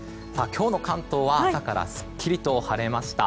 今日の関東は朝からすっきりと晴れました。